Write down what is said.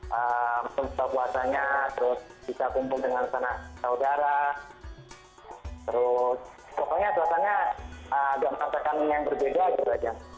maksudnya puasanya terus kita kumpul dengan sana saudara terus pokoknya suasananya agak mata kami yang berbeda gitu aja